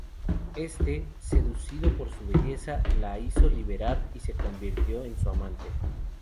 Éste, seducido por su belleza, la hizo liberar y se convirtió en su amante.